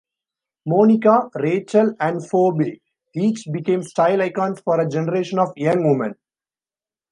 Monica, Rachel and Phoebe each became style icons for a generation of young women.